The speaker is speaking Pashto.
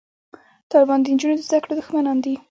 طالبان د نجونو د زده کړو دښمنان دي